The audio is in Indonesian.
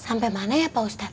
sampai mana ya pak ustadz